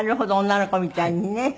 女の子みたいにね。